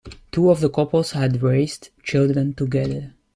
Two of the couples had raised children together.